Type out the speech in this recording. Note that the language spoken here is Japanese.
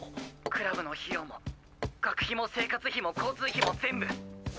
クラブの費用も学費も生活費も交通費も全部３年以内に絶対返す。